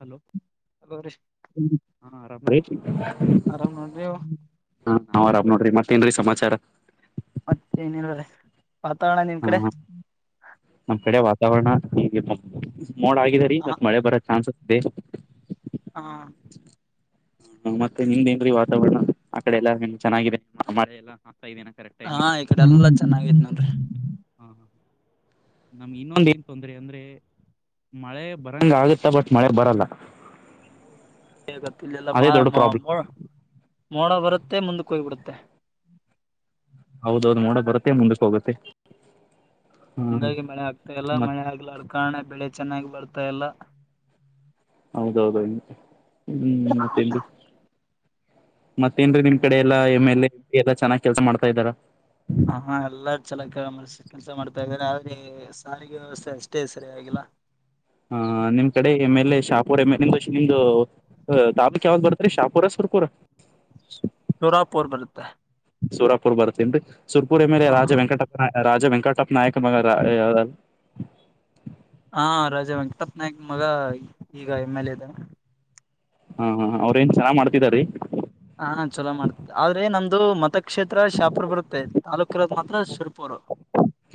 Hello hello ರೀ ಹಾ ರಾಮ ಭ [inaudible] ಆರಾಮ್ ನೋಡ್ರಿ ನೀವು ಹಾ ಆರಾಮ್ ನೋಡ್ರಿ ಮತ್ತೇನ್ರೀ ಸಮಾಚಾರ ಮತ್ತೆ ಏನಿಲ್ಲಾರೆ ವಾತಾವರಣ ನಿಮ್ ಹ ಕಡೆ ನಮ್ ಕಡೆ ವಾತಾವರಣ ಈ ಮೋಡ ಆಗಿದೆ ರೀ ಹ ಮತ್ತೆ ಮಳೆ ಬರೋ ಚಾನ್ಸಸ್ ಇದೆ ಹಾ ಹ ಮತ್ತೆ ನಿಮ್ದೇನ್ರೀ ವಾತಾವರಣ ಆ ಕಡೆ ಎಲ್ಲ ಹೆಂಗೆ ಚೆನ್ನಾಗಿದೆನೆ ಮಳೆಲ್ಲ ಹಾಕ್ತಾ ಇದ್ದೇನೆ ಕರೆಕ್ಟ್ ಟೈಮ ಹಾ ಈ ಹ ಕಡೆ ಎಲ್ಲಾ ಚೆನ್ನಾಗೈತ್ ನೋಡ್ರಿ [unintelligible] ನಮ್ ಇನ್ನೊಂದ ಏನ್ ತೊಂದ್ರೆ ಅಂದ್ರೆ ಮಳೆ ಬರಂಗ ಆಗತ್ತ ಬಟ್ ಮಳೆ ಬರಲ್ಲ ಗುತ್ತೆ ಇಲ್ಲೆಲ್ಲ ಮ ಅದೇ ದೊಡ್ಡ ಮೋ ಪ್ರಾಬ್ಲಮ್ ಮ ಮೋಡ ಬರುತ್ತೆ ಮುಂದಕ್ಕ ಹೋಗ್ಬಿಡುತ್ತೆ ಹೌದೌ ಹೌದು ಮೋಡ ಬರತ್ತೆ ಮುಂದಕ್ಕೆ ಹೋಗುತ್ತೆ ಹಾ ಹಿಂಗಾಗಿ ಮಳೆ ಆಗ್ತಾ ಇಲ್ಲ ಮತ್ ಮಳೆ ಆಗಿಲಾರದ ಕಾರಣ ಬೆಳೆ ಚೆನ್ನಾಗಿ ಬರ್ತಾ ಇಲ್ಲ ಹೌದೌದು ಹ್ಮ್ ಮತ್ತೆನರಿ ಮತ್ತೇನ ನಿಮ್ ಕಡೆ ಹ್ಮ ಎಲ್ಲಾ ಎಮ್ ಎಲ್ ಎ ಎಲ್ಲ ಚೆನ್ನಾಗ್ ಕೆಲಸ ಮಾಡ್ತಾ ಇದ್ದಾರಾ ಹಾಹಾ ಎಲ್ಲ ಚಲಕಾ ಮಸ ಕೆಲಸ ಮಾಡ್ತಾ ಇದಾರೆ ಆದ್ರೆ ಸಾರಿಗೆ ವ್ಯವಸ್ಥೆ ಅಷ್ಟೇ ಸರಿ ಆಗಿಲ್ಲ ಹ ನಿಮ್ ಕಡೆ ಏಮ್ ಎಲ್ ಎ ಶಾಪುರ ಎಂ ನಿಮ್ಧ ನಿಮ್ದು ಹ್ಾಕ್ ಯಾವಾಗ್ ಬರ್ತರಿ ಶಾಪುರ ಸುರಪುರ [inaudible] ಸೋರಾಪೋರ್ ಬರುತ್ತೆ ಸುರಾಪುರ್ ಬರ್ತೇನ್ರೀ ಸುರ್ಪುರ ಮೇಲೆ ಹ ರಾಜ ವೆಂಕಟ ರಾಜಾ ವೆಂಕಟಪ್ಪ ನಾಯಕ ಮ ಹಾ ರಾಜ ವೆಂಕಟಪ್ ನಾಯಕ್ ಮಗ ಈಗ ಎಮ್ ಎಲ್ ಎ ಇದಾನೆ ಹಾ ಹಾ ಅವ್ರನ್ರಿ ಹ್ಮ್ ಹ ಚಲೋ ಮಾಡ್ತ ಆದ್ರೆ ನಮ್ದು ಮತಕ್ಷೇತ್ರ ಶಾಪುರ್ ಬರುತ್ತೆ ತಾಲೂಕು ಮಾತ್ರ ಸುರಪುರ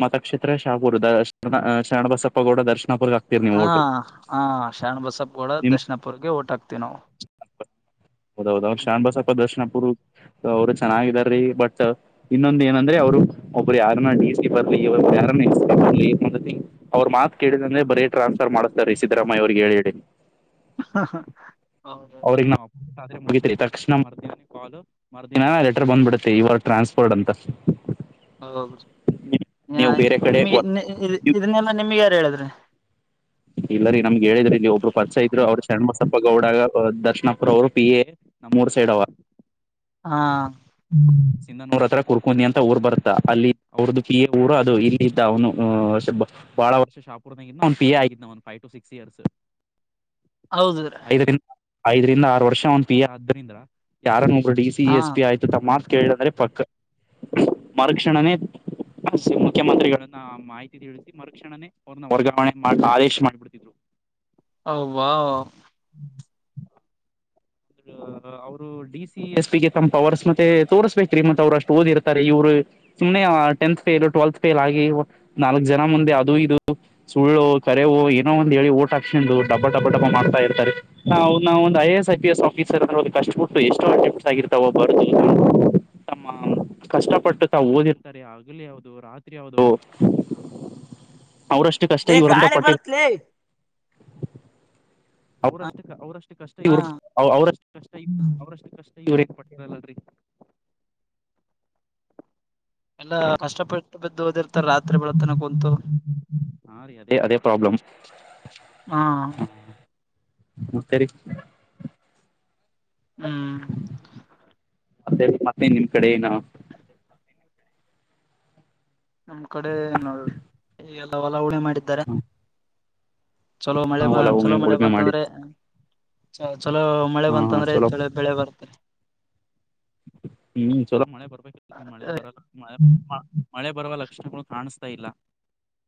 ಮತಕ್ಷೇತ್ರ ಶಾಪುರ್ ದಶನ್ ಶರಣಬಸಪ್ಪ ಗೌಡ ದರ್ಶನಪುರಾ ಹಾ ಹ ಶರಣಬಸಪ್ಪ ಕೂಡ ನಿಮ್ ದರ್ಶನಪುರ್ಗೆ ಓಟ ಹಾಕ್ತಿವಿ ನಾವು ಹೌದ ಹೌದ ಅವ್ರರು ಶರಣ್ ಬಸಪ್ಪ ದರ್ಶನ ಪುರು ಅವರು ಚೆನ್ನಾಗಿದಾರೀ ಬಟ್ ಇನ್ನೊಂದ ಏನಂದ್ರೆ ಅವ್ರು ಒಬ್ರು ಯಾರನ್ನ ಡಿ ಸಿ ಬರ್ಲಿ ಒಬ್ರಯಾರನ್ನ ಎಸ್ ಬರ್ಲಿ ಅವ್ರು ಮಾತ ಕೇಳಿದ್ರನ್ ಬರೀ ಟ್ರಾನ್ಸ್ಫರ್ ಮಾಡಸತಾರೇ ಸಿದ್ದರಾಮಯ್ಯ ಅವ್ರಿಗೆ ಹೇಳಿ ಹೇಳಿ. ಹ ಹ ಹೌದು ಅವ್ರಗ್ ನಾವು ಆದ್ರೆ ಮುಗಿದತ್ರಿ ತಕ್ಷಣ ಮರ್ದ ಕಾಲು ಮರ್ದಿನ ಲೆಟರ್ ಬಂದ್ಬಿಡುತ್ತೆ ಇವಾಗ ಟ್ರಾನ್ಸ್ಪೋರ್ಟ್ ಅಂತ ಹೌದುೀ ನೀವು ಬೇರೆ ಕಡೆ ನಿಮಗೆ ಇದನ್ನೆಲ್ಲ ನಿಮ್ಗೆ ಯಾರು ಹೇಳಿದ್ರೀ ಇಲ್ಲ ರೀ ನಮ್ಗೆ ಹೇಳಿದ್ರ ಇಲ್ಲಿ ಒಬ್ರು ಪರ್ಚ ಇದ್ರು ಅವ್ರ ಸಣಬಸಪ್ಪ ಗೌಡ ದರ್ಶನಪುರ ಅವರು ಪಿ ಎ ನಮ್ಮೂರ್ ಸೈಡ್ ಅವ ಹಾ ಹ್ಮ ಇನ್ನ ನೂರ ಹತ್ರ ಕುೂರ್ಕೊಂಡಿ ಅಂತ ಊರ್ ಬರುತ್ತ ಅಲ್ಲಿ ಅವ್ರದ್ದು ಪಿ ಎ ಊರು ಅದು ಇಲ್ಲಿ ಇದ ಅವನು ಬಾಳ ವರ್ಷ ಶಾಪೂರ್ನಾಗ ಒಂದ್ ಪಿ ಎ ಆಗಿದನ ಒಂದ್ ಫೈವ್ ಟು ಸಿಕ್ಸ್ ಇಯರ್ಸ್ ಹೌದ್ರೀ ಐದರಿಂದ ಆರು ವರ್ಷ ಒಂದ್ ಪಿ ಎ ಆದ್ದರಿಂದ ಯಾರ ಒಬ್ರು ಡಿ ಸಿ ಹಾ ಎಸ್ ಪಿ ಆ್ತ ಮಾತ್ ಕೇಳಂದ್ರೆ ಪಕ್ಕ ಮರುಕ್ಷಣನೇ ಮುಖ್ಯಮಂತ್ರಿಗಳನ್ನ ಮಾಹಿತಿ ತಿಳ ಮರುಕ್ಷಣೆೇ ಅವ್ರನ್ನ ವರ್ಗಾವಣೆ ಮಾಡ ಆದೇಶ ಮಾಡಿಬಿಡ್ತಿದ್ರು ಹ್ವಾ [unintelligible] ಅವರು [unintelligible] ಡಿ ಸಿ ಎಸ್ ಪಿಗೆ ತಮ್ಮ್ ಪವರ್ಸ್ ಮತ್ತೆ ತೋರ್ಸ್ಬೇಕ್ರೀ ಮತ್ತ ಅವ್ರುಷ್ಟು ಓದಿರ್ತಾರೆ ಇವ್ರು ಸುಮ್ನೆ ಟೆಂತ್ ಫೇಲ್ ಟ್ವೆಲ್ತ್ ಫೇಲ್ ಆಗಿ ನಾಲ್ಕ್ ಜನ ಮುಂದೆ ಅದು ಇದು ಸುಳ್ಳು ಕರೆವು ಏನ ಒಂದು ಹೇಳಿ ಓಟ ಹಾಕ್ಸಿಂದು ಡಬ್ಬ ಡಬ್ಬ ಡಬ್ಬ ಮಾಡ್ತಾ ಇರ್ತಾರೆ ಹ ನಾವ್ ಒಂದು ಐ ಎ ಸ್ ರ್ ಕಷ್ಟ ಬಿಟ್ಟು ಎಷ್ಟೋಟೆಸ್ ಆಗಿರ್ತಾವ ಬ [unintelligible] ತಮ್ಮ ಕಷ್ಟಪಟ್ಟು ತಾವು ಓದಿರ್ತಾರೆ ಆಗಲಿ ಹೌ ರಾತ್ರಿ ಹೌದು ಅವರಷ್ಟು ಕಷ್ಟ ಏ ಇವರಂತ ಗಾಳಿ ಪಟ್ಟಿ ಬರುತ್ಲೇ ಅವ್ರಷ್ಟು ಅವ್ರಷ್ಟು ಕಷ್ಟ ಹಾ ಇವ್ರ ಅವ್ರಷ್ಟು ಕಷ್ಟ ಅವ್ರಷ್ಟು ಕಷ್ಟ ಇವ್ರ ಪಟ್ಟಿರಲ್ರರಿ [unintelligible] ಎಲ್ಲಾ ಕಷ್ಟಪ ದ ಹ ರೀ ಅದೇ ಅ ಪ್ರಾಬ್ಲಂ ಹಾ ಮತ್ತರಿ ಹ್ಮ್ ಮತ್ತೆ ಮತ್ತೆ ನಿಮ್ ಕಡೆನ [inaudible] ನಮ್ ಕಡೆ ನೋಡ್ರಿ ಈಗೆಲ್ಲ ಹೊಲ ಉಳಿಮೆ ಮಾಡಿದ್ದಾರೆ ಚಲೋ ಮಳೆ ಹೊಲ ಉಮೆ ಉಳುಮೆ ಬಂತ ಮಾಡಿದ್ ಅಂದ್ರೆ ಚಲೋ ಮಳೆ ಬಂತಂದ್ರೆ ಚಲೋ ಮಳೆ ಹಾ ಹಾ ಬಂತಂದ್ರೆ ಚಲೋ ಬೆಳೆ ಬರ್ತಾರ ಹ್ಮ್ ಚಲೋ ಮಳೆ ಬರ್ಬೇಕ ಮಳೆ ಬರ ಮಳೆ ಬರುವ ಲಕ್ಷಣಗಳು ಕಾಣಸ್ತ ಇಲ್ಲಾ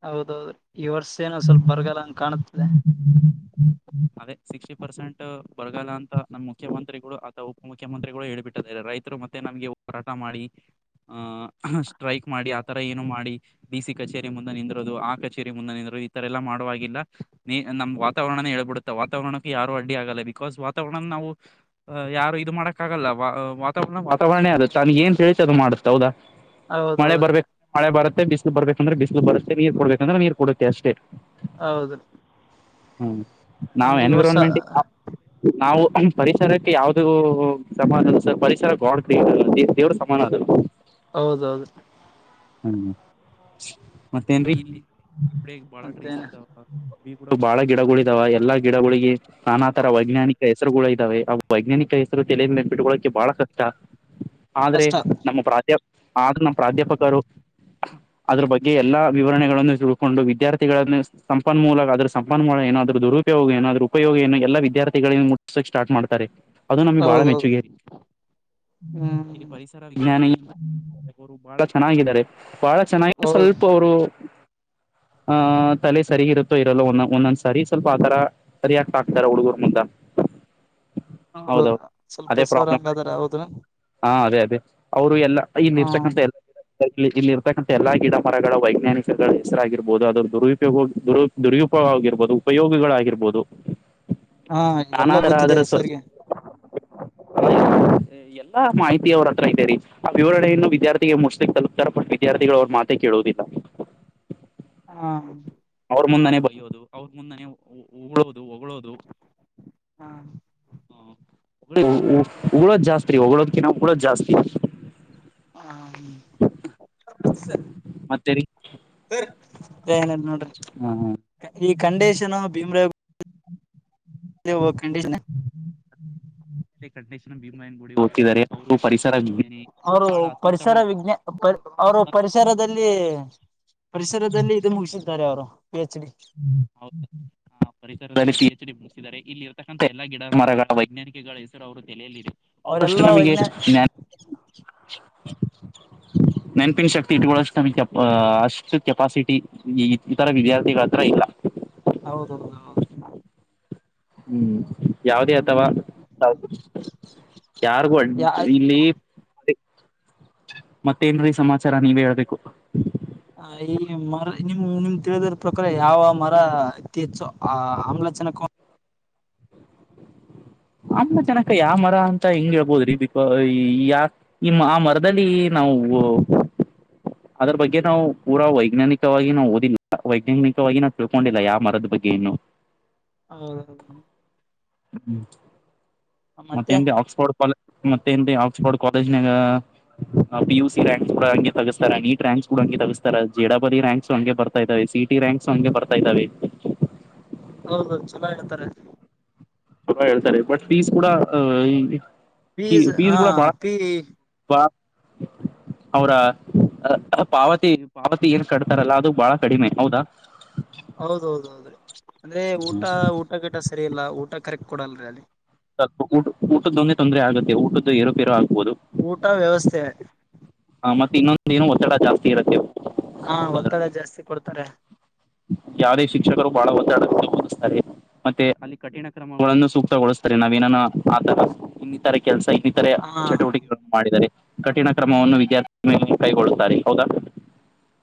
ಹೌದೌದು ಈ ವರ್ಷ ಏನೋ ಸ್ವಲ್ಪ ಬರಗಲ್ಲ ಅಂಗ ಕಾಣತದೆ ಅದೇ ಸಿಕ್ಸ್ಟಿ ಪರ್ಸೆಂಟ್ ಬರಗಲ್ಲ ಅಂತ ನಮ್ ಮುಖ್ಯಮಂತ್ರಿಗಳು ಉಪಮುಖ್ಯಮಂತ್ರಿಗಳು ಹೇಳ್ಬಿಟ್ಟಿದ್ದಾರೆ ರೈತರು ಮತ್ತೆಮಗೆ ಹೋರಾಟ ಮಾಡಿ ಆಹ ಸ್ಟ್ರೈಕ್ ಮಾಡಿ ಆತರ ಏನು ಮಾಡಿ ಡಿ ಸಿ ಕಚೇರಿ ಮುಂದೆ ನಿಂದರೋದು ಆ ಕಚೇರಿ ಮುಂದೆ ನಿಂದರೋದು ಈ ತರ ಎಲ್ಲ ಮಾಡಾಗಿಲ್ಲ ನಮ್ ವಾತಾವರಣನೇ ಹೇಳ್ಬಿಡುತ್ತೆ ವಾತಾವರಣಕ್ಕ ಯಾರು ಅಡ್ಡಿ ಆಗಲ್ಲ ಬಿಕಾಸ್ ವಾತಾವರಣ ನಾವು ಅ ಯಾರು ಇದು ಮಾಡಕ್ಕಾಗಲ್ಲ ವಾತಾವರಣ ವಾತಾವರಣೇ ಆಗುತ್ತೆ ನನಗ ಏನ್ ತಿಳಿತದ ಅದ ಮಾಡುತ್ತ ಹೌದಾ ಮಳೆ ಹೌದೌದು ಬರ್ಬೇಕು ಮಳೆ ಬರುತ್ತೆ ಬಿಸಿಲು ಬರ್ಬೇಕಂದ್ರೆ ಬಿಸಿಲು ಬರುತ್ತೆ ನೀರ್ ಕೊಡ್ಬೇಕಂದ್ರೆ ನೀರ್ ಕೊಡುತ್ತೆ ಅಷ್ಟೇ. ಹೌದು ಹ್ಮ ನಾವು ಅಂದ್ರೆ ಈ ವರ್ಷ ಎನ್ವಿರಾನ್ಮೆಂಟ್ ನಾವು ಪರಿಸರಕ್ಕೆ ಯಾವ್ದು ಸಮಾನ ಸರ್ ಪರಿಸರ ಗಾಡ್ ಕ್ರಿಯ ದೇವ್ರ ಸಮಾನ ಅದು ಹೌದೌದು ಹ್ಮ ಮತ್ತೇನ್ರಿ ಹ್ಮ್ ಇಲ್ಲಿ ಬಾಳ ಡ್ರೇಸ್ ಮತ್ತೇನ ಬ್ಬಿಗಳು ಬಾಳ ಗಿಡಗಳು ಇದಾವ ಎಲ್ಲಾ ಗಿಡಗಳಿಗೆ ನಾನಾ ತರ ವೈಜ್ಞಾನಿಕ ಹೆಸರುಗಳು ಇದಾವೆ ವೈಜ್ಞಾನಿಕ ಹೆಸರು ತಲೆ ಮೇಲೆ ಬಿಟ್ಕೊಳ್ಳಳೋಕೆ ಬಹಳ ಕಷ್ಟ ಆದ್ರೆ ಕಷ್ಟ ನಮ್ಮ ಪ್ರಾಧ ಆದ್ರು ನಮ್ಮ ಪ್ರಾಧ್ಯಾಪಕರು ಅದ್ರ ಬಗ್ಗೆ ಎಲ್ಲಾ ವಿವರಣೆಗಳನ್ನು ತಿಳ್ಕೊಂಡು ವಿದ್ಯಾರ್ಥಿಗಳನ್ನು ಸಂಪನ್ಮೂಲ ಅದ್ರ ಸಂಪನ್ಮೂಲ ಏನಾದ್ರೂ ದೊರು ಉಪಯೋಗ ಏನೋ ಅದ್ರ ಉಪಯೋಗ ಏೋ ಎಲ್ಲ ವಿದ್ಯಾರ್ಥಿಗಳಿಂದ ಮುಕಕ್ ಸ್ಟಾರ್ ಮಾಡ್ತಾರೆ. ಅದು ನಮ್ಮಿ ಬಾಳ ಹೌದೌದು ಮೆಚ್ಚಗರಿ ಹ್ಮ್ ‌ಜ್ಞಾನಿರು ಬಹಳ ಚೆನ್ನಾಗಿದ್ದಾರೆ ಬಹಳ ಚೆನ್ನಾಗಿ ಹೌದು ಸ್ವಲ್ಪ ಅವರು ಆಹ ತಲೆ ಸರಿಗಿರುತ್ತೋ ಇರಲ್ಲ ಒಂದೊ ಒಂದೊಂದ್ ಸರಿ ಸ್ವಲ್ಪ ಆತರ ಸರಿಯಾಕ್ ಆಾಕ್ತಾರ ಹುಡುಗೂರ್ ಮುದ ಹೌದು ಸ್ವಲ್ಪ ಅದೇ ಸೋರ್ ಪ್ರಾಬ್ಲಮ್ ಹಂಗಾದಾರ ಹೌದ್ರ ಹಾ ಅದೇ ಅದೇ ಅವ್ರು ಎಲ್ಲಾ ಇನ್ ಹ ಇರ್ಸಕಂತ ಎಲ್ಲ ಇಲ್ಲಿ ಇಲ್ಲಿ ಇರತಕ್ಕಂಥ ಎಲ್ಲಾ ಗಿಡ ಮರಗಳ ವೈಜ್ಞಾನಿಕಗಳ ಹೆಸರಾಗಿರ್ಬಹದು ಅದ್ರ ದುರುಪಯೋಗ ದು ದುರ್ಯುಪೋಗ ಆಗಿರ್ಬೋದು ಉಪಯೋಗಿಗಳಾಗಿರ್ಬೋದು ಹಾ ಎಲ್ಲ ನಾನಾದರ ಗೊತ್ತಿದೆ ಅರ ಸರ್ಗೆ ಎಲ್ಲಾ ಮಾಹಿತಿ ಅವ್ರ ಹತ್ರ ಇದ್ದೇರಿ. ಆ ವಿವರಣೆಯನ್ನು ವಿದ್ಯಾರ್ಥಿಗೆ ಮುರ್ ತಲುಪ್ತಾರೆ ಬಟ್ಟ ವಿದಾರ್ಥಿಗಳ ಅವ್ರ ಮಾತೆ ಕೇಳುವುದಿಲ್ಲ. ಹಾ ಅವ್ರ ಮುಂದಾನನೆ ಬೈ್ಯೋದು ಅವ್ರ ಮುಂದಾನನೆ ಉಳೋದು ಹೊಗಳೋದು ಹಾ ಉಳೋ ಜಾಸ್ತ್ ರೀ ಹೊಗಳೋದ್ಕ ನಾವು ಉಳೋ್ ಜಾಸ್ತಿ ಹ ಮತ್ತೆ ರ ಸರಿ ಏನ ನೋಡ್ರಿ. ಈ ಕಂಡೀಷನ್ ಭೀಮ್ರೇ ಕಂಡೀನ್. ರಂಡೇಶ್ನ ಭೀಮಯ ಗುಡಿ ಹೋಗ್ತಿದ್ದಾರೆ ಅವರು ಪರಿಸರ ಅವರು ಬಹಳ ಪರಿಸರ ಅತ್ಯುತ್ತಮ ವಿಜ್ಞ ಅವರು ಪರಿಸರ ಪರಿಸರದಲ್ಲಿ ಪರಿಸರದಲ್ಲಿ ಇದು ಮುಗಿಸಿದ್ದಾರೆ ಅವರು ಪಿ ಎಚ್ ಡಿ ಹೌದಾ ಹ ಪರಿಸರದಲ್ಲಿ ಸಿಿ ಎಚ್ ಡಿ ಬಳಸಿದ್ದಾರೆ ಇಲ್ಲಿ ಇರತಕ್ಕಂಥ ಎಲ್ಲಾ ಗಿಡ ಮರಗಳ ವೈಜ್ಞಾನಿಕಗಳ ಹೆಸರು ಅವರು ತಲಿಯಲಿದೆ. ಅವರೆಲ್ಲಾ ವಗ್ಞ ನೆನಪಿನ ಶಕ್ತಿ ಇಟ್ಕಷ್ಟು ನಮಗೆ ಕೆ ಅಷ್ಟು ಕೆಪಾಸಿಟಿ. ಈ ಇತರ ವಿದ್ಯಾರ್ಥಿಗಳ ಹತ್ರ ಇಲ್ಲ. ಹೌದೌದು ಹೌದ ಹ್ಮ್ ಯಾವದೇ ಅಥವಾ ಹ್ಮ್ ಯಾರ್ಗೂ ಯಾ ಇಲ್ಲಿ ಅದ ಮತ್ತೇನ್ ಸಮಾಚಾರ ನೀವೇ ಹೇಳ್ಬೇಕು. ಹ ಈ ಮರ ನಿಮ್ ನಿಮ ತಿಳಿದರ ಪ್ರಕಾರ ಯಾವ ಮರ ಅತಿ ಹೆಚ್ಚು ಆ ಆಮ್ಲಜನಕ. ಅಮ್ಮ ಚನಕ ಯಾವ ಮರ ಅಂತ ಹಿಂಗ್ ಹೇಳ್ಬೋದ್ರಿ ಬಿಕ ಯಾ ಈ ಆ ಮರದಲ್ಲಿ ನಾವು ಅದ್ರ ಬಗ್ಗೆ ನಾವು ಪೂರಾ ವೈಜ್ಞಾನಿಕವಾಗಿ ನಾವು ಓದಿಲ್ಲ ವೈಜ್ಞಾನಿಕವಾಗಿ ನ ತಿಳ್ಕೊಂಡಿಲ್ಲ ಯ ಮರದ ಬಗ್ಗೆ ಇನ್ನು ಹೌದೌದು ಹ್ಮ್ ಮತ್ತೆ ನ್ ಆಕ್ಸ್ಫೋರ್ಡ್ ಕಾಲ್ ಮತ್ತೆ ನ್ ಆಕ್ಸ್ಫೋರ್ಡ್ ಕಾಲೇಜ್ನಾಗ ಪ ಯು ಸಿಿ ರಂಕ್ಸ್ ಕೂ ಹಂಗೆ ತಸ್ತಾರ ನೀಟ್ ರ್ಯಾಂಕ್ ಕೂಡ ಹಂಗೆ ತಗಸ್ತ ಜಡಪದಿ ರಂಕ್ಸ್ ಹಂಗೆ ಬರ್ತಾರೆ. ಬರ್ತ ಇದಾವ ಸಿಟಿ ರ್ಯಾಂಕ್ಸ್ ಹಂಗೆ ಬರ್ತಾ ಇದಾವೆ. ಹೌದೌದು ಚುಲಾ ಹೇಳ್ತಾರೆ. ತು ಹೇಳ್ತಾರೆ ಬಟ್ ಫೀಸ್ ಕೂಡ ಪೀಸ್ ಫೀಸ್ ಹಾ ಕೂಡ ಬಾಳ ಪೀ ಬಾ ಅವ್ರ ಪಾವತಿ ಪಾವತಿ ಏನ್ ಕಡ್ತಾರಲ್ಲ ಅದು ಬಾಳ ಕಡಿಮೆ ಹೌದಾ. ಹೌದೌದ ಹೌದ್ರೀ ಅಂದ್ರೆ ಊಟ ಊಟ ಟ ಸರಿಯಲ್ಲ ಊಟ ಕರೆಕ್ಟ್ ಕೊಡಲ್ರರಿ ಅಲ್ಲಿ. ಸ್ವಪ ಊಟ ಊಟದ್ದೊಂದೇ ತೊಂದರೆ ಆಗುತ್ತ ಊಟ್ದ ಏೋಪೇರೋ ಆಗ್ಬಹುದು. ಊಟ ವ್ಯವಸ್ಥೆ ಹ ಮತ್ತೆ ಇನ್ನೊಂದ ರೇನು ಒತ್ತಡ ಜಾಸ್ತಿ ಇರತ್ತೆ ಹಾ ಒತ್ತಡ ಜಾಸ್ತಿ ಕೊಡ್ತಾರೆ. ಯಾವುದೇ ಶಿಕ್ಷಕರು ಬಹಳ ಒತ್ತಾಡಕ್ಕೆ ಬೋಗಿಸ್ತಾರೆ ಮತ್ತೆ ಅಲ್ಲಿ ಕಠಿಣ. ಕ್ರಮಗಳನ್ನು ಸೂಕ್ತಗೊಳಿಸ್ತಾರೆ ನಾವೇನ ಆರ ಇನ್ನಿತರ ಕೆಲಸ ಇ ಇತರೆ ಹಾ ಚಟುವಟಿಕೆಗಳನ್ನು ಮಾಡಿದರೆ ಕಠಿಣ ಕ್ರಮವನ್ನು ವಿದ್ಯಾರ್ಥಿ ಕೈಗೊಳ್ಳುತ್ತಾರೆ ಹೌದಾ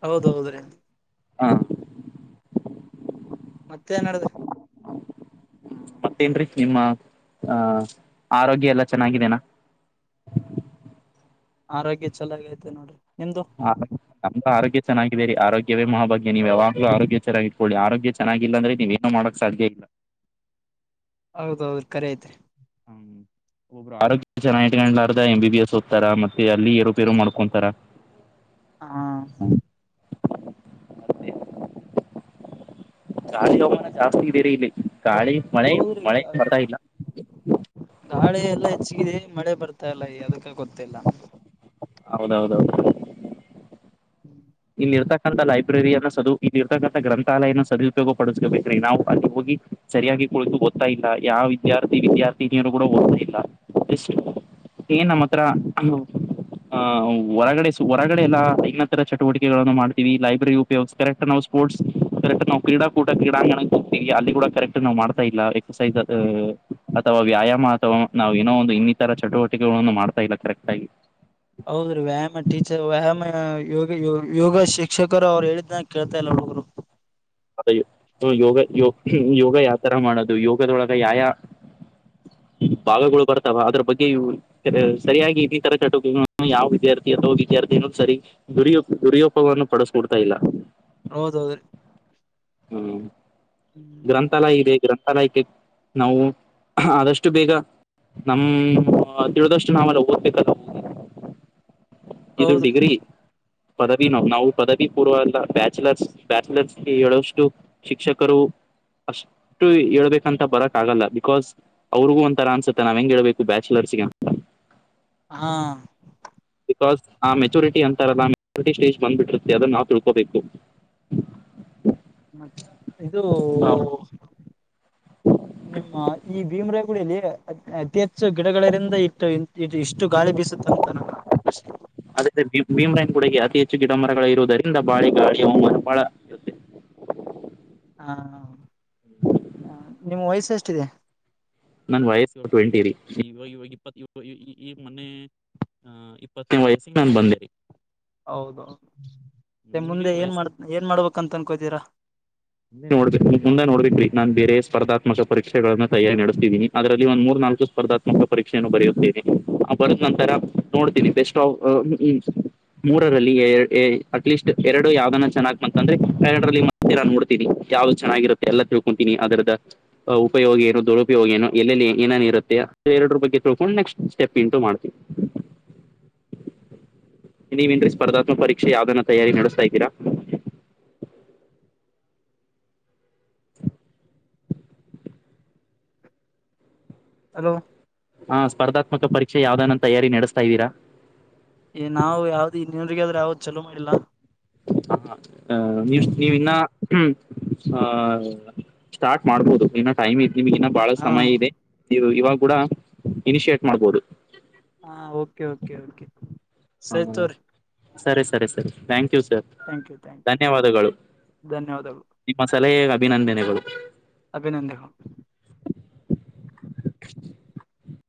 ಹೌದೌದ್ರೀ ಹಾ ಮತ್ತೆ ಏ ನಾಡಿದ್ರಿ ಮತ್ತೇನ್ೀ ನಿಮ್ಮ ಅಹ ಆರೋಗ್ಯ ಎಲ್ಲ ಚೆನ್ನಾಗಿದೇನಾ ಆರೋಗ್ಯ ಚೆಲಾಗ್ ಐತೆ ನೋಡ್ರಿ ನಿಮ್ದು ಹಾ ಮ ಆರೋಗ್ಯ ಚೆನ್ನಾಗಿದೇರಿ ಆರೋಗ್ಯವೇ ಮಹಾ ಭಾಗ್ಯ ನೀವು ಯಾವಾಗಲ ಆರೋಗ್ಯ ಚೆನ್ನಾಗಿಟ್ಕೊಳ್ಳಿ ಆರೋಗ್ಯ ಚನ್ನಾಗಿಲ್ಲಂದ್ರೆ ನೀವೆ ನ ಮಾಡಕ್ ಸಾಧ್ಯ ಇಲ್ಲ ಹೌದ್ ಹೌದ್ ಖರೆ ಐತ್ರಿ ಹ್ಮ್ [inaudible] ಆರೋಗ್ಯ ಚೆನ್ನ ಇಕೊಂಡ್ಲಾರದ ಎಂಬ ಬಿ ಬಿ ಎಸ್ ಓದ್ತಾರ ಮತ್ತೆ ಅಲ್ಲಿ ಏರುಪೇರು ಮಾಡ್ಕೊಂತರ ಹಾ [inaudible] ಗಾಳಿ ಹೌಮನ ಜಾಸ್ತಿ ಇದೀರಿ ಇಲ್ಲಿ ಗಾಳಿ ಮಳೆ ಹೌದ್ರಿ ಮಳೆ ಗ ಬರ್ತಾ ಇಲ್ಲ ಗಾಳಿ ಎಲ್ಲ ಹೆಚ್ಚಗಿದೆ ಮಳೆ ಬರ್ತಾ ಇಲ್ಲ ಯದಕ್ಕ ಗೊತ್ತಿಲ್ಲ ಹೌದೌದೌದು ಹ್ಮ್ ಇಲ್ಲಿ ಇರ್ತಕ್ಕಂಥ ಲೈಬ್ರರಿಯನ್ನ ಸದು ಇಲ್ಲಿ ಇರ್ತಕ್ಕಂಥ ಗ್ರಂಥಾಲಯನ ಸದುಪಯೋಗ ಪಡಿಸಕಬೇಕ್ರಿ ನಾವು ಅಲ್ಲಿ ಹೋಗಿ ಸರಿಯಾಗಿ ಕುಳಿತು ಓದತಾ ಇಲ್ಲ ಯಾವ ವಿದ್ಯಾರ್ಥಿ ವಿದ್ಯಾರ್ಥಿನಿಯರು ಕೂಡ ಓದ್ತಾ ಇಲ್ಲ ಎಷ್ಟು ಏನ್ಮ್ಮ ಹತ್ರ ಅ ಹೊರಗಡೆ ಹೊರಗಡೆ ಎಲ್ಲ ತ್ರ ಚಟುವಟಿಕೆಗಳನ್ನು ಮಾಡ್ತೀವಿ ಲೈಬ್ರರಿ ಉಪಯೋಗ ಕರೆಕ್ಟ್ ನಾವು ಸ್ಪೋರ್ಸ್ರೆಕ್ ನಾ ಕ್ರಡಾಕೂಟ ಕ್ರೀಡಾಂಗಣ ಈಗ ಅಲ್ಲಿ ಕೂಡ ಕರೆಕ್ಟ್ ನಾವ್ ಮಾಡ್ತಾ ಇಲ್ಲ ಎಕ್ಸಸೈಸ್ ಅಥ ಅಥವಾ ವ್ಯಾಯಾಮ ಅಥವಾ ನಾವ್ ಏನೋ ಒಂದು ಇ ತರ ಚಟುವಟಿಕೆಗಳನ್ನ ಮಾಡ್ತಾ ಇಲ್ಲ ಕರೆಕ್ಟ್ ಆಗಿ ಹೌದ್ರೀ ವ್ಯಾಯಾಮ ಟೀಚರ್ ವ್ಯಾಯಾಮ ಯೋಗ ಯೋಗ ಶಿಕ್ಷಕರು ಅವ್ರು ಹೇಳಿದ್ನಾಗ ಕೇಳ್ತಾ ಇಲ್ಲ ಹುಡುಗ್ರು ದ ಯೋಗ ಯೊ ಯೋಗ ಯಾವ ತರ ಮಾಡದು ಯೋಗದೊಳಗ ಯಾಯ ಭಾಗಗಳು ಬರ್ತಾವ ಅದ್ರ ಬಗ್ಗೆ ಇವು ಸ ಸರಿಯಾಗಿ ಇತರ ಚಟುಕಿ ಯಾವ ವಿದ್ಯಾರ್ಥಿ ಅಥವಾ ವಿದ್ಯಾರ್ಥಿ ಅನ್ನೋದ್ ಸರಿ ದುರಿಯೊ ದುರ್ಯೋಪವನ್ನು ಪಡಿಸಕೊಡ್ತಾ ಇಲ್ಲ ಹೌದ್ ಹೌದ್ರಿ ಹ್ಮ್ ಗ್ರಂ ಥಾಲಯ ಇದೆ ಗ್ರಂಥಾಲಯಕ್ಕೆ ನಾವು ಆದಷ್ಟು ಬೇಗ ನಮ್ ತಿಳಿದಷ್ಟು ನಾವೆಲ್ಲ ಓದ್ಬೇಕಲ್ಲ [inaudible] ಇದು ಹೌದ್ರಿ ಡಿಗ್ರಿ ಪದವಿ ನೋವು ನಾವು ಪದವಿ ಪೂರ್ವ ಅಲ್ಲ ಬ್ಯಾಚುಲರ್ಸ್ ಬ್ಯಾಚುಲರ್ಸ್ ಹೇಳೋಷ್ ಟು ಶಿಕ್ಷಕರು ಅಷ್ಟು ಹೇಳ್ಬೇಕಂತ ಬರಕ್ ಆಗಲ್ಲ ಬಿಕಾಸ್ ಅವ್ರಿಗೂ ಒಂತರ ಅನ್ಸುತ್ತೆ ನಾವ್ ಹೆಂಗ್ ಹೇಳ್ಬೇಕು ಬ್ಯಾಚಲರ್ಸ್ಗೆ ಅಂತ ಹಾ ಬಿಕಾಸ್ ಆ ಮೆಚುರಿಟಿ ಅಂತಾರಲ್ಲ ಆ ಮೆಚೂರಿಟಿ ಸ್ಟೇಜ್ ಬಂದ್ಬಿಟ್ಟಿರುತ್ತೆ ಅದನ್ನ ನಾವು ತಿಳ್ಕೋಬೇಕು ಮ ಇದೂ ನಿಮ್ಮ ಈ ಭೀಮ ರಾಯಗುಡಿಯಲ್ಲಿ ಅತ್ಯಂ ಹೆಚ್ಚು ಗಿಡಗಳರಿಂದ ಇಟ್ಟು ಇ ಇಷ್ಟು ಗಾಳಿ ಬೀಸುತ್ತೆ ಅಂತ ನನ್ನ ಪ್ರಶ್ನೆ ಅದೇ ಭೀಮರಾಯನ್ ಗುಡಗೆ ಅತಿ ಹೆಚ್ಚು ಗಿಡ ಮರಗಳ ಇರುವುದರಿಂದ ಬಳಿ ಗಾಳಿ ಹೌಮಾನ ಬಾಳ ಹಾ ಹ ನಿಮ್ ವಯ್ಸ್ ಎಷ್ಟಿದೆ ನನ್ ವಯಸ್ಸು ಟ್ವೆಂಟಿ ರೀ ಇವಾಗ ಇವಾಗ ಇಪ್ಪತ್ ಈಗ್ ಮೊನ್ನೆ ಹಾ ಇಪ್ಪತ್ತನೇ ವಯಸ್ಸಿಗೆ ನಾನ್ ಬಂದೆರಿ ಹೌದೌದು ಮುಂದೆ ಏನ್ ಮಾಡ ಏನ್ ಮಾಡ್ಬೇಕಂತ ಅನ್ಕೋತೀರಾ ಮುಂದೆ ನೋಡ್ಬೇಕು ಮುಂದ ನೋಡ್ಬೇಕು ರಿ ನಾನ್ ಬೇರೆ ಸ್ಪರ್ಧಾತ್ಮಕ ಪರೀಕ್ಷೆಗಳನ್ನ ತಯಾರಿ ನಡೆಸ್ತೀದಿನಿ ಅದ್ರಲ್ಲಿ ಒಂದ ಮೂರ್ ನಾಲ್ಕು ಸ್ಪರ್ಧಾ ತ್ಮಕ ಪರೀಕ್ಷೆನ ಬರೆಯುತ್ತೀನಿ ಬರದ ನಂತರ ನೋಡ್ತೀನಿ ಬೆಸ್ಟ್ ಆಫ್ [inaudible] ಮೂರರಲ್ಲಿ ಏರ್ ಅಟ್ಲೀಸ್ಟ್ ಎರಡು ಯಾವ್ದನ್ನ ಚೆನ್ನಾಗಿಕ್ ಬಂತಂದ್ರೆ ಎರಡರಲ್ಲಿ ಮತ್ತೆ ನಾನ್ ನೋಡ್ ಯಾವ್ದ ಚೆನ್ನಾಗಿರುತ್ತೆ ಎಲ್ಲ ತಿಳ್ಕೊಂತೀನಿ ಅದ್ರದ ಆ ಉಪಯೋಗ ಏನು ದುರುಉಪಯೋಗ ಏನು ಎಲ್ಲಲ್ಲಿ ಏನನು ಇರುತ್ತೆ ಎರಡು ಬಗ್ಗೆ ತಿಳ್ಕೊಂಡು ನೆಕ್ಸ್ಟ್ ಸ್ಟೆಪ್ ಇಂಟು ಮಾಡ್ತಿವ್ [inaudible] ನೀವೇನ್ರಿ ಸ್ಪರ್ಧಾತ್ಕ ಪರೀಕ್ಷೆ ಯಾವದನ್ನ ತಯಾರಿ ನಡಿಸ್ತಾ ಇದಿರ ಹಲೊ ಹಾ ಸ್ಪರ್ಧಾತ್ಮಕ ಪರೀಕ್ಷೆ ಯಾವ್ದಾನಂತ ತಯಾರಿ ನಡೆಸ್ತಾ ಇದೀರಾ ಎ ನಾವು ಯಾವ್ದ್ ಇನ್ನಗ ಆದ್ರೆ ಯಾವ್ದ್ ಚಲೋ ಮಾಡಿಲ್ವಾ ಹ ಅ ನೀವ್ ನೀವಿ ಇನ್ನ ಹ್ಮ್ ಆ ಸ್ಟಾರ್ಟ್ ಮಾಡ್ಬೋದು ಇನ್ನ ಟೈಮ್ ಇ ನಿಮಗ ಇನ್ನ ಬಹಳ ಹಾ ಸಮಯ ಇದೆ ನೀವು ಇವಾಗ ಕೂಡ ಇನಿಶಿಯೇಟ್ ಮಾಡ್ಬಹುದು ಹಾ ಓಕೆ ಓಕೆ ಓಕೆ ಹಾ ಸರಿ ತೋರಿ ಸರಿ ಸರಿ ಸರಿ thank you sir thank you thank you ಧನ್ಯವಾದಗಳು ಧನ್ಯವಾದಗಳು ನಿಮ್ಮ ಸಲಹೆಗೆ ಅಭಿನಂದನೆಗಳು ಅಭಿನಂದ